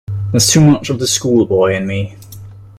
There's too much of the schoolboy in me.